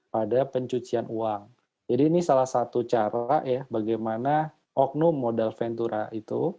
pada pencucian uang jadi ini salah satu cara ya bagaimana oknum modal ventura itu